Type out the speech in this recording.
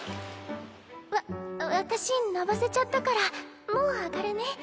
わ私のぼせちゃったからもう上がるね。